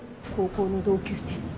高校の同級生。